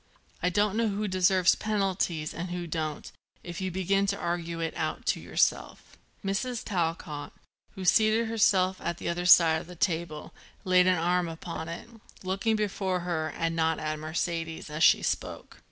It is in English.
"I don't know who deserves penalties and who don't, if you begin to argue it out to yourself." Mrs. Talcott, who had seated herself at the other side of the table, laid an arm upon it, looking before her and not at Mercedes, as she spoke.